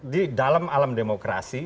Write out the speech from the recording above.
di dalam alam demokrasi